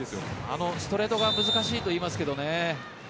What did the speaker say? あのストレートが難しいといいますけどね。